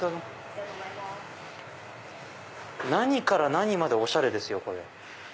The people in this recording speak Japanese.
何から何までおしゃれですよ。